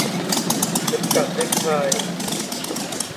เข็มกลัดเน็คไท